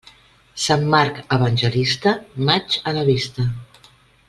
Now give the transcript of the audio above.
Sant Marc evangelista, maig a la vista.